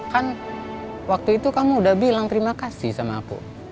kan waktu itu kamu udah bilang terima kasih sama aku